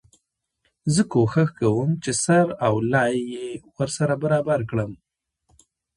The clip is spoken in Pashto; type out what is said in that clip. زه کوښښ کوم چي سر او لای يې ورسره برابر کړم.